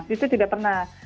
itu tidak pernah